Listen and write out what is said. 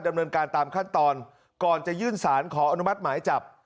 ดำเนินการตามขั้นตอนก่อนจะยื่นสารขออนุมัติหมายจับ